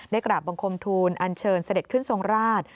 กราบบังคมทูลอันเชิญเสด็จขึ้นทรงราช